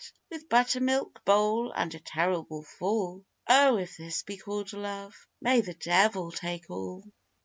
With butter milk, bowl, and a terrible fall, O, if this be called love, may the devil take all!